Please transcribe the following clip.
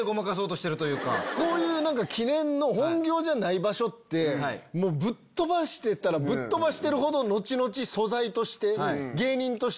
こういう記念の本業じゃない場所ってぶっ飛ばしてたらぶっ飛ばしてるほど後々素材として。